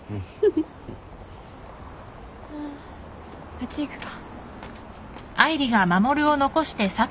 あっち行くか。